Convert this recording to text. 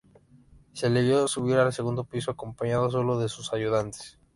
Se le vio subir al segundo piso acompañado sólo de sus ayudantes.